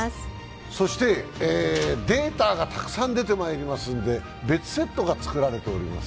そしてデータがたくさん出てまいりますので別セットがつくられております。